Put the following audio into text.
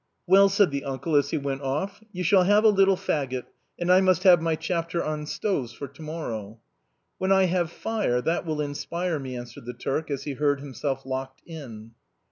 " Well," said the uncle as he went off, " you shall have a little faggot, and I must have my chapter on stoves for to morrow." " When I have fire, that will inspire me," answered the Turk as he heard himself locked in.